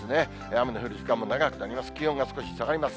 雨の降る時間も長くなります。